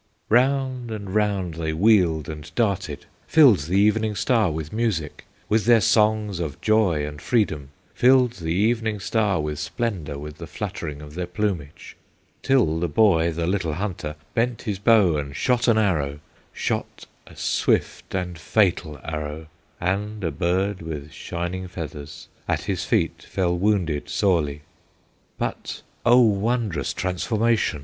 "Round and round they wheeled and darted, Filled the Evening Star with music, With their songs of joy and freedom Filled the Evening Star with splendor, With the fluttering of their plumage; Till the boy, the little hunter, Bent his bow and shot an arrow, Shot a swift and fatal arrow, And a bird, with shining feathers, At his feet fell wounded sorely. "But, O wondrous transformation!